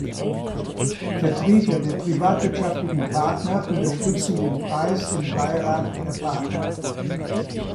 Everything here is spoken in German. Vertreter der privat-wirtschaftlichen Partner unterstützen den Preis im Beirat der Partner.